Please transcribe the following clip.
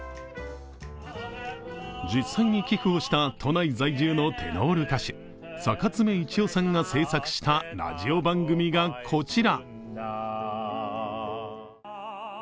実際に寄付をした都内在住のテノール歌手、坂爪いちおさんが制作したラジオ番組がこちら。